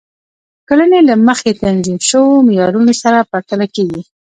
کړنې له مخکې تنظیم شوو معیارونو سره پرتله کیږي.